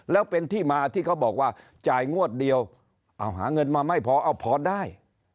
แล้วเป็นที่มาที่เขาบอกว่าจ่ายงวดเดียวเอาหาเงินมาไม่พอเอาพอได้